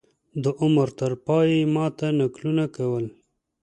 د عمر تر پایه یې ما ته نکلونه کول.